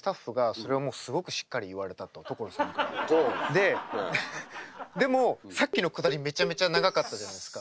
ででもさっきのくだりめちゃめちゃ長かったじゃないですか。